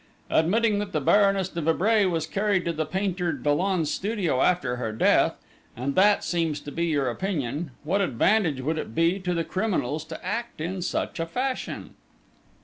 Admitting that the Baroness de Vibray was carried to the painter Dollon's studio after her death, and that seems to be your opinion, what advantage would it be to the criminals to act in such a fashion?"